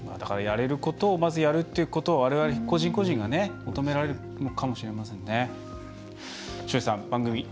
やれることをまずやるということをわれわれ個人個人が求められるかもしれませんね。